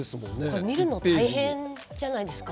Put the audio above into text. これ見るの大変じゃないですか？